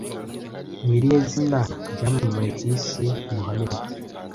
Ni irihe zina ryamamaye ku isi Mohammed?